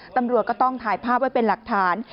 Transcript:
ตำรวจก็ต้องถ่ายภาพไว้เป็นหลักฐาน